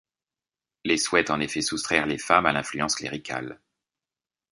Les souhaitent en effet soustraire les femmes à l'influence cléricale.